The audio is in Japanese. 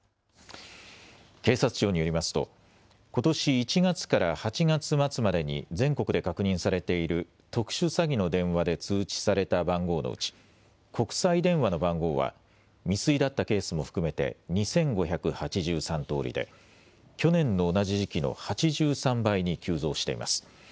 警察庁によりますとことし１月から８月末までに全国で確認されている特殊詐欺の電話で通知された番号のうち国際電話の番号は未遂だったケースも含めて２５８３通りで去年の同じ時期の８３倍に急増しています。